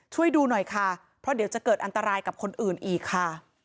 ช่วยดูหน่อยค่ะเพราะเดี๋ยวจะเกิดอันตรายกับคนอื่นอีกค่ะ